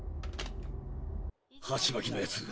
ハチマキのやつ